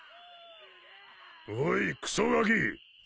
おいクソガキ